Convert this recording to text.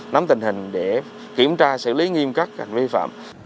nắm tình hình để kiểm tra xử lý nghiêm các hành vi vi phạm